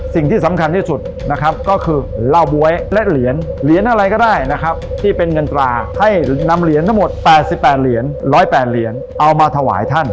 สิ่งที่สำคัญที่สุดนะครับก็คือเหล้าบ๊วยและเหรียญเหรียญอะไรก็ได้นะครับที่เป็นเงินตราให้นำเหรียญทั้งหมด๘๘เหรียญ๑๐๘เหรียญเอามาถวายท่าน